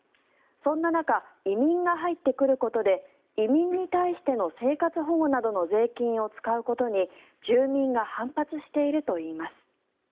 そんな中移民が入ってくることで移民に対しての生活保護などの税金を使うことに住民が反発しているといいます。